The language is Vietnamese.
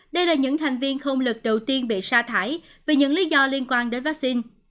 đây là những thành viên không lực đầu tiên bị sa thải vì những lý do liên quan đến vaccine